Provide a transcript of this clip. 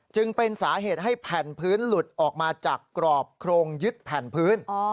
จึงเป็นสาเหตุให้แผ่นพื้นหลุดออกมาจากกรอบโครงยึดแผ่นพื้น